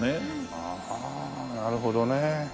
ああなるほどね。